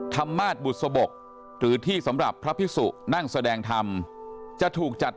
ธรรมาศบุษบกหรือที่สำหรับพระพิสุนั่งแสดงธรรมจะถูกจัด